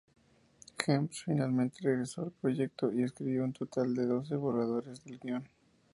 Gems finalmente regresó al proyecto, y escribió un total de doce borradores del guion.